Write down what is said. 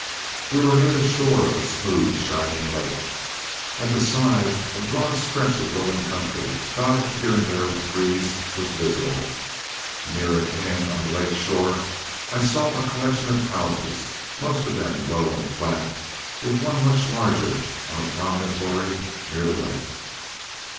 We were near the shore of a smooth, shining lake. At the side a broad stretch of rolling country, dotted here and there with trees, was visible. Near at hand, on the lake shore, I saw a collection of houses, most of them low and flat, with one much larger on a promontory near the lake.